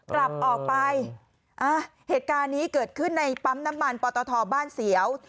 กลับออกไปเหตุการณ์นี้เกิดขึ้นในปั๊มน้ำมันปอตทบ้านเสียว